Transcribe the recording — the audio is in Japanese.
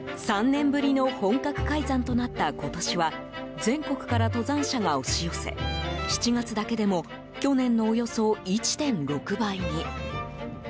３年ぶりの本格開山となった今年は全国から登山者が押し寄せ７月だけでも去年のおよそ１．６倍に。